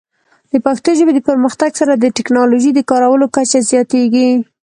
د پښتو ژبې د پرمختګ سره، د ټیکنالوجۍ د کارولو کچه زیاتېږي.